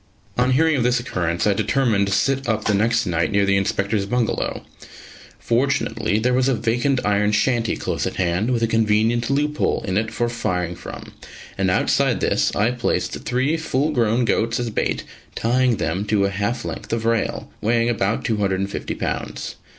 On hearing of this occurrence, I determined to sit up the next night near the Inspector's bungalow. Fortunately there was a vacant iron shanty close at hand, with a convenient loophole in it for firing from; and outside this I placed three full grown goats as bait, tying them to a half length of rail, weighing about 250 lbs.